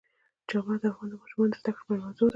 چار مغز د افغان ماشومانو د زده کړې موضوع ده.